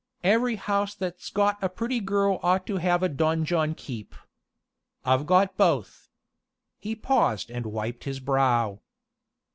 "Every house that's got a pretty girl ought to have a donjon keep. I've got both." He paused and wiped his brow.